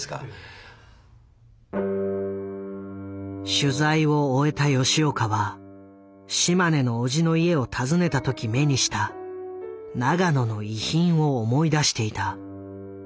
取材を終えた吉岡は島根の叔父の家を訪ねた時目にした永野の遺品を思い出していた。